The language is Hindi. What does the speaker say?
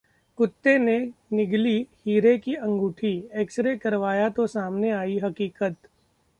कुत्ते ने निगली हीरे की अंगूठी, एक्सरे करवाया तो सामने आई हकीकत